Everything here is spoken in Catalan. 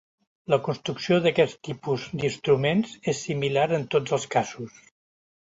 La construcció d'aquest tipus d'instruments és similar en tots els casos.